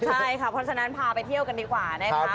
ใช่ค่ะเพราะฉะนั้นพาไปเที่ยวกันดีกว่านะคะ